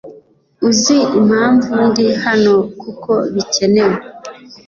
Uzi impamvu ndi hano kuko bikenewe